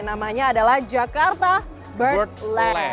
namanya adalah jakarta birdland